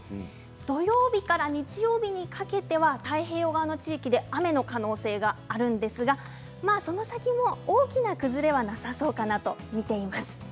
土曜日から日曜日にかけては太平洋側の地域で雨の可能性があるんですがその先も大きな崩れはなさそうかなと見ています。